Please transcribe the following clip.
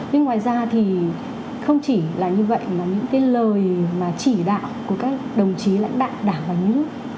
nhưng ngoài ra thì không chỉ là như vậy mà những cái lời mà chỉ đạo của các đồng chí lãnh đạo đảng và nước